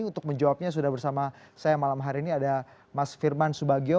untuk menjawabnya sudah bersama saya malam hari ini ada mas firman subagio